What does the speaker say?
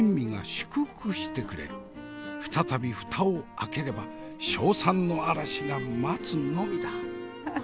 再び蓋を開ければ称賛の嵐が待つのみだ。